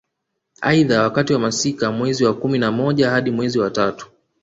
Aidha wakati wa masika mwezi wa kumi na moja hadi mwezi wa tatu